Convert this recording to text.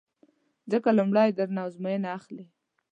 ځکه لومړی در نه ازموینه اخلي